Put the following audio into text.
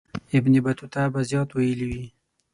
ابن بطوطه به زیات ویلي وي.